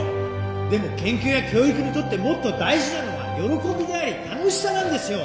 でも研究や教育にとってもっと大事なのは喜びであり楽しさなんですよ！